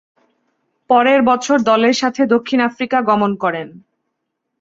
পরের বছর দলের সাথে দক্ষিণ আফ্রিকা গমন করেন।